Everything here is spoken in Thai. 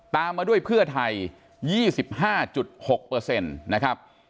ตามมาด้วยเพื่อไทย๒๕๖เปอร์เซ็นต์นะครับ